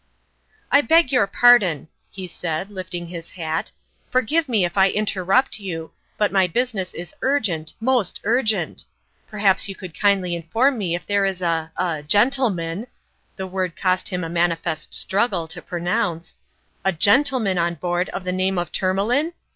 U I beg your pardon," he said, lifting his hat ;" forgive me if I interrupt you, but my business is urgent most urgent ! Perhaps you could kindly inform me if there is a a gentleman " (the word cost him a manifest struggle to pronounce) " a gentleman on board of the name of Tourmalin?